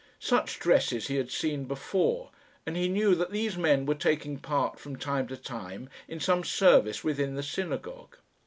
Such dresses he had seen before, and he knew that these men were taking part from time to time in some service within the synagogue.